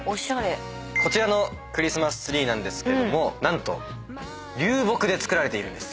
こちらのクリスマスツリーなんですけども何と流木で作られているんです。